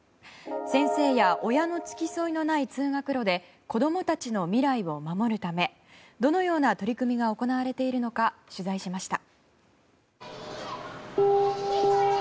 先生や親の付き添いのない通学路で子供たちの未来を守るためどのような取り組みが行われているのか取材しました。